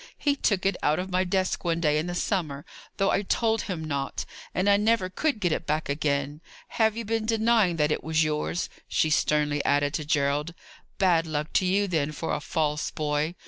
"He took it out of my desk one day in the summer, though I told him not, and I never could get it back again. Have you been denying that it was yours?" she sternly added to Gerald. "Bad luck to you, then, for a false boy.